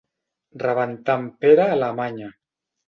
Rebentar en Pere a Alemanya.